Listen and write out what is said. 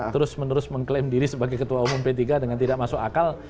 terus menerus mengklaim diri sebagai ketua umum p tiga dengan tidak masuk akal